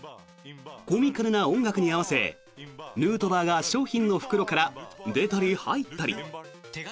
コミカルな音楽に合わせヌートバーが商品の袋から出たり入ったり。